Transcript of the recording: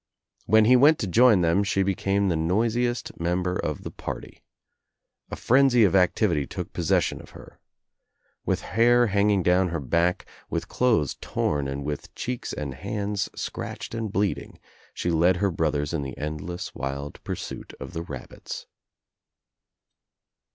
When he went to join tliem she became the noisiest member at the party. A frenzy of activity took possession of r' THE NEW ENGLANDER her. With hair hanging down her back, with clothes torn and with cheeks and hands scratched and bleed ing she led her brothers in the endless wild pursuit of ^^thc rabbits.